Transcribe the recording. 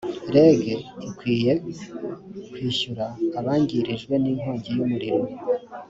reg ikwiye kwishyura abangirijwe ninkongi yumuriro